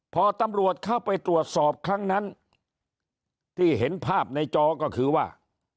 พอตำรวจเข้าไปตรวจสอบครั้งนั้นที่เห็นภาพในจอก็คือว่า